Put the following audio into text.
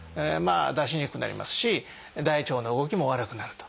出しにくくなりますし大腸の動きも悪くなると。